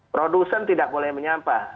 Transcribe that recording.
produsen tidak boleh menyampah